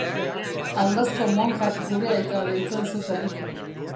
Aldazko monjak gure aita deitzen zuten.